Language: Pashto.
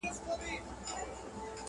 چي په تا یې رنګول زاړه بوټونه.